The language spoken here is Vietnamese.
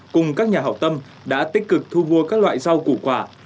cùng các nhà hảo tâm đã tích cực thu mua các loại rau củ quả